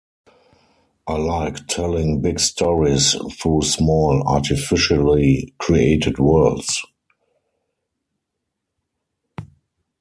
I like telling big stories through small, artificially created worlds.